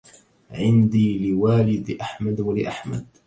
عندي لوالد أحمد ولأحمد